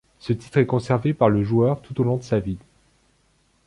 Ce titre est conservé par le joueur tout au long de sa vie.